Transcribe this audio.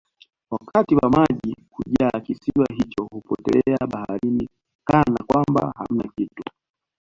wakati wa maji kujaa kisiwa hicho hupotelea baharini Kana kwamba hamna kitu